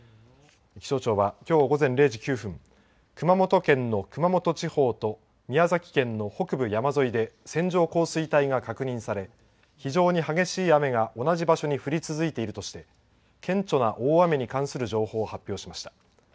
気象庁はきょう午前０時９分、熊本県の熊本地方と宮崎県の北部山沿いで線状降水帯が確認され、非常に激しい雨が同じ場所に降り続いているとして、顕著な大雨に関する情報を発表しました。